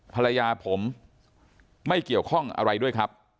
ภรรยาผมไม่เกี่ยวข้องอะไรด้วยครับ